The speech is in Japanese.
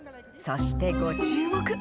そしてご注目。